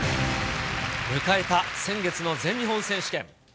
迎えた先月の全日本選手権。